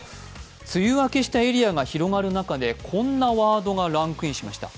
梅雨明けしたエリアが広がる中で、こんなワードがランクインしました。